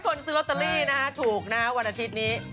ขอให้คนซื้อฝูงลอตเตอรี่นะถูกนะครับบนอาทิตย์นี้